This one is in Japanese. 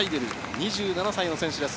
２７歳の選手です。